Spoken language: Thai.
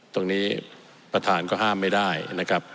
ท่านประธานก็ห้ามไม่ได้นะครับ